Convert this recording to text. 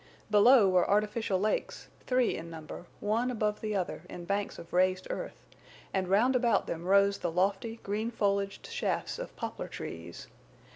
Below were artificial lakes, three in number, one above the other in banks of raised earth, and round about them rose the lofty green foliaged shafts of poplar trees.